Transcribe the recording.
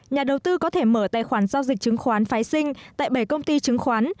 nhà đầu tư có thể mở tài khoản giao dịch chứng khoán phái sinh tại bảy công ty chứng khoán